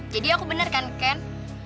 jadi aku bener kan ken